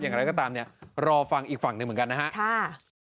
อย่างไรก็ตามเนี่ยรอฟังอีกฝั่งหนึ่งเหมือนกันนะครับ